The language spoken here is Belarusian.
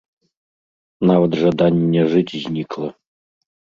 Нават жаданне жыць знікла.